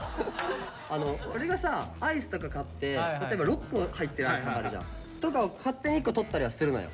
俺がさアイスとか買って例えば６個入ってるアイスとかあるじゃん。とかを勝手に一個取ったりはするのよ。